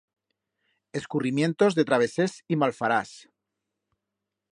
Escurrimientos de travesers y malfarás.